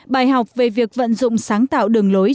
bài học về việc vận dụng sáng tạo đường lối